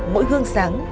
mỗi hương sáng